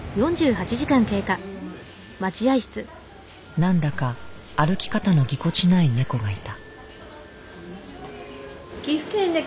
何だか歩き方のぎこちない猫がいた。